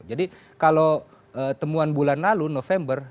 jadi kalau temuan bulan lalu november